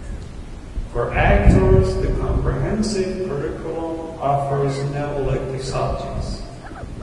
For actors, the comprehensive curriculum offers no elective subjects.